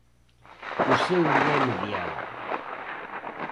O seu non é mediar.